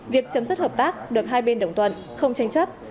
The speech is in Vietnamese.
việc chấm dứt hợp tác được hai bên đồng tuần không tranh chất